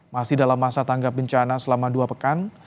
masih dalam masa tanggap bencana selama dua pekan